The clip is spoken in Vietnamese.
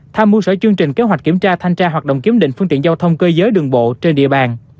tham mưu sở chương trình kế hoạch kiểm tra thanh tra hoạt động kiểm định phương tiện giao thông cơ giới đường bộ trên địa bàn